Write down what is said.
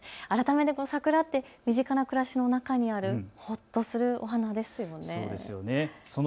改めて桜って身近な暮らしの中にあるほっとするお花ですよね。